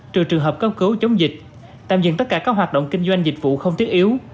trừ trường hợp cấp cứu chống dịch tạm dừng tất cả các hoạt động kinh doanh dịch vụ không thiết yếu